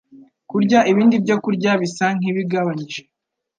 kurya ibindi byokurya, bisa nk’ibigabanyije